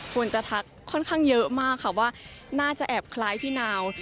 ควรจะทักค่อนข้างเยอะมากค่ะว่าน่าจะแอบคล้ายพี่นาว